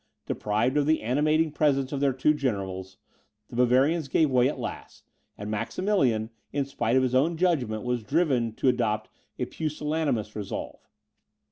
Deprived of the animating presence of their two generals, the Bavarians gave way at last, and Maximilian, in spite of his own judgment, was driven to adopt a pusillanimous resolve.